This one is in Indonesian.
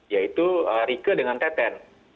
yaitu rike dengan teten